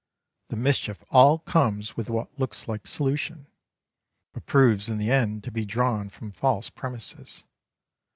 The mischief all comes with what looks like solution, but proves in the end to be drawn from false premises.